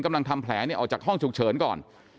กำลังทำแผลนี้ออกจากห้องฉุกเฉินก่อน